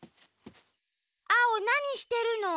アオなにしてるの？